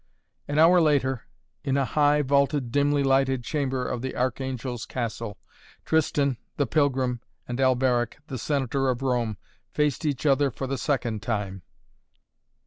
An hour later, in a high vaulted, dimly lighted chamber of the Archangel's Castle, Tristan, the pilgrim, and Alberic, the Senator of Rome, faced each other for the second time.